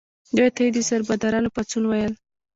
دې ته یې د سربدارانو پاڅون ویل.